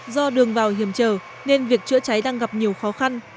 do đường vào hiểm trở nên việc chữa cháy đang gặp nhiều khó khăn